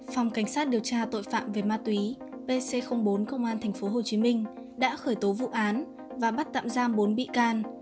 phòng cảnh sát điều tra tội phạm về ma túy pc bốn công an tp hcm đã khởi tố vụ án và bắt tạm giam bốn bị can